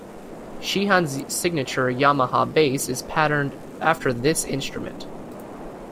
Sheehan's signature Yamaha bass is patterned after this instrument.